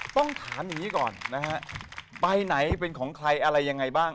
ต้องถามอย่างนี้ก่อนนะฮะไปไหนเป็นของใครอะไรยังไงบ้าง